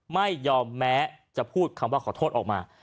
ไม่ยอมแม้จะพูดคำว่าขอโทษออกมา